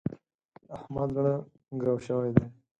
د احمد زړه ګرو شوی دی.